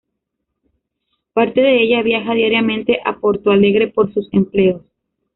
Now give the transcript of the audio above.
Parte de ella viaja diariamente a Porto Alegre por sus empleos.